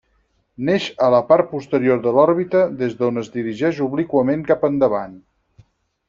Neix a la part posterior de l'òrbita, des d'on es dirigeix obliquament cap endavant.